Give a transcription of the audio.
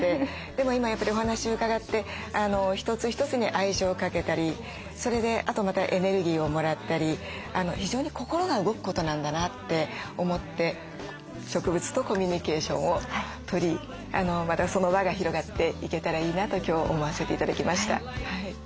でも今やっぱりお話伺って一つ一つに愛情をかけたりそれであとまたエネルギーをもらったり非常に心が動くことなんだなって思って植物とコミュニケーションをとりまたその輪が広がっていけたらいいなと今日思わせて頂きました。